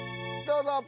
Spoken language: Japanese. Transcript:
どうぞ！